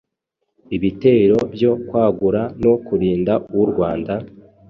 Ibitero byo kwagura no kurinda u Rwanda,